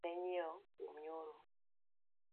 Na nyiewo kom nyoro